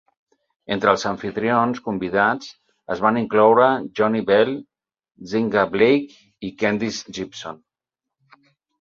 Entre els amfitrions convidats es van incloure Johnny Bell, Nzinga Blake i Kendis Gibson.